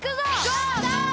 ゴー！